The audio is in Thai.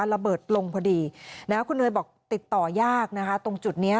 ระเบิดลงพอดีนะคุณเนยบอกติดต่อยากนะคะตรงจุดนี้